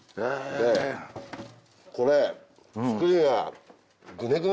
これ。